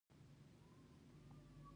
ګلاب تل د خوښۍ زېری وي.